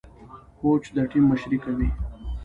کوچ د ټيم مشري کوي.